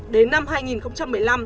đến năm hai nghìn một mươi năm